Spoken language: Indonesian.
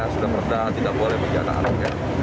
sudah merdak tidak boleh bagi anak anak ya